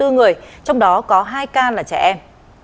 một trăm hai mươi bốn người trong đó có hai ca là trẻ em